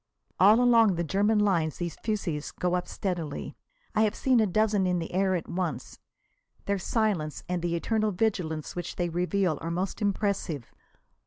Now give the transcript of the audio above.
All along the German lines these fusées go up steadily. I have seen a dozen in the air at once. Their silence and the eternal vigilance which they reveal are most impressive.